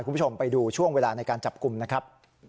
คุณผู้ชมไปดูช่วงเวลาในการจับกลุ่มนะครับ